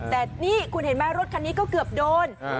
แต่นี่คุณเห็นไหมรถคันนี้ก็เกือบโดน